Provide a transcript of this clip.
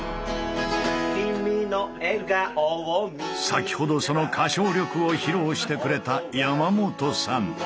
先ほどその歌唱力を披露してくれた山本さん！